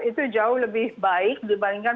itu jauh lebih baik dibandingkan